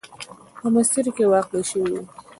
په مسیر کې واقع شوې وه.